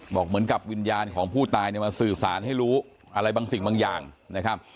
บอกเหมือนกับวิญญาณของผู้ตายเนี่ยมาสื่อสารให้รู้อะไรบางสิ่งบางอย่างนะครับ